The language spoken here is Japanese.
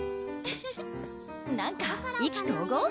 フフッなんか意気投合？